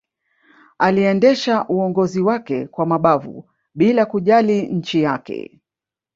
aliendesha uongozi wake kwa mabavu bila kujali nchi yake